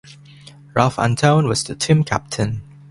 Ralph Antone was the team captain.